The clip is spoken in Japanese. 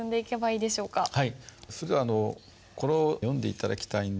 それではこれを読んで頂きたいんですが。